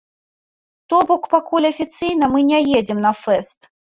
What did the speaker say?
То бок, пакуль афіцыйна мы не едзем на фэст.